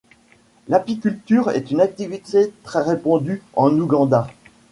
L'apiculture est une activité très répandue en Ouganda.